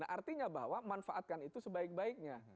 nah artinya bahwa manfaatkan itu sebaik baiknya